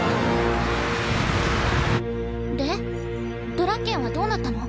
ドラッケンはどうなったの？